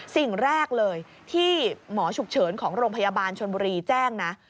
สิ่งแรกเลยที่หมอฉุกเฉินของโรงพยาบาลชนบุรีแจ้งนะ